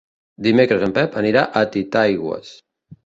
Dimecres en Pep anirà a Titaigües.